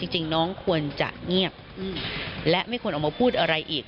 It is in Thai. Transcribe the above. จริงน้องควรจะเงียบและไม่ควรออกมาพูดอะไรอีก